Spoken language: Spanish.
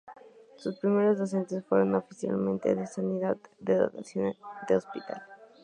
Sus primeros docentes fueron los Oficiales de Sanidad de dotación del hospital.